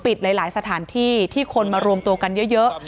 หลายสถานที่ที่คนมารวมตัวกันเยอะ